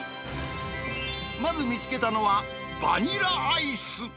まず見つけたのはバニラアイス。